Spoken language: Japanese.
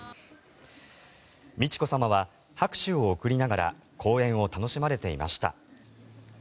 美智子さまは拍手を送りながら公演を楽しまれていました。